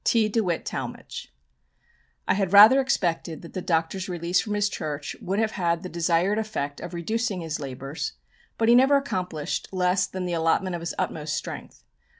"T. DEWITT TALMAGE." I had rather expected that the Doctor's release from his church would have had the desired effect of reducing his labours, but he never accomplished less than the allotment of his utmost strength.